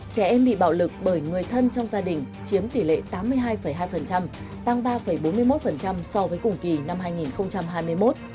trẻ em bị bạo lực bởi người thân trong gia đình chiếm tỷ lệ tám mươi hai hai tăng ba bốn mươi một so với cùng kỳ năm hai nghìn hai mươi một